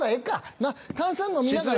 なっ炭酸飲みながら。